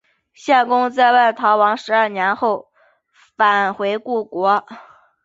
献公在外逃亡十二年后返回故国。